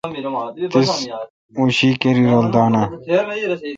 تیس اوں شی کیرای رل دان آں